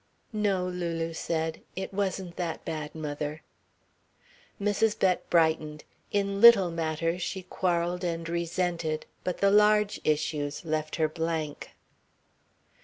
"No," Lulu said, "it wasn't that bad, mother." Mrs. Bett brightened. In little matters, she quarrelled and resented, but the large issues left her blank.